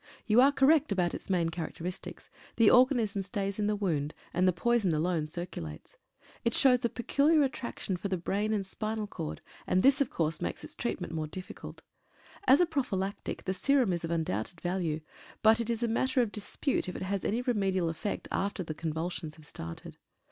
You are correct about its main charac teristics. The organism stays in the wound, and the poison alone circulates. It shows a peculiar attraction for the brain and spinal chord, and this, of course, makes its treatment more difficult. As a prophylactic the serum is of undoubted value, but it is a matter of dispute if it has any remedial effect after convulsions have started.